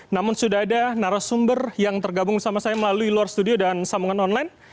namun sudah ada narasumber yang tergabung sama saya melalui lor studio dan samungan online